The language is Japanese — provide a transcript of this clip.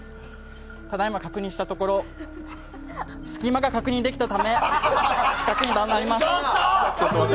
ただいま確認したところ、隙間が確認できたため、失格となります。